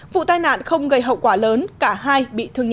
vụ tai nạn không gây hậu quả lớn cả hai bị thương nhẹ